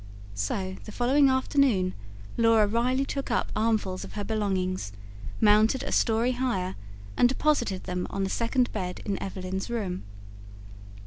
So the following afternoon Laura wryly took up armfuls of her belongings, mounted a storey higher, and deposited them on the second bed in Evelyn's room.